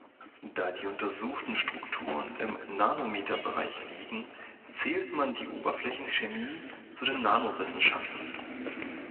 Da die untersuchten Strukturen im Nanometerbereich liegen, zählt man die Oberflächenchemie zu den Nanowissenschaften.